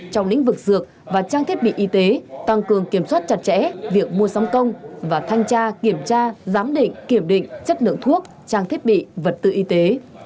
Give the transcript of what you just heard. trong lĩnh vực dược và trang thiết bị y tế tăng cường kiểm soát chặt chẽ việc mua sắm công và thanh tra kiểm tra giám định kiểm định chất lượng thuốc trang thiết bị vật tư y tế